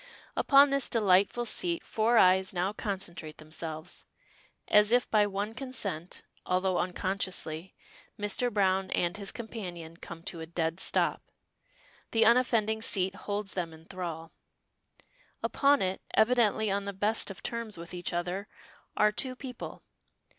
Upon this delightful seat four eyes now concentrate themselves. As if by one consent, although unconsciously, Mr. Browne and his companion come to a dead stop. The unoffending seat holds them in thrall. Upon it, evidently on the best of terms with each other, are two people.